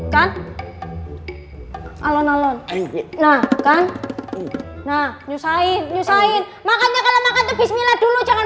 kan alon alon nah kan nah nyusahin nyusahin makanya kalau makan bismillah dulu jangan